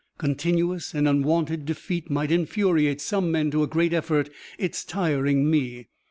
Continuous and unwonted defeat might infuriate some men to a great effort. It's tiring me."